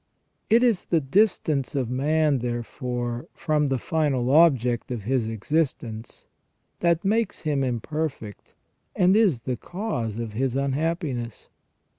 It is the distance of man, therefore, from the final object of his existence that makes him imperfect, and is the cause of his unhappi ness.